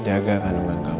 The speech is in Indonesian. jaga kandungan kamu